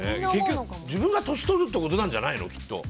結局、自分が年を取るってことなんじゃないの？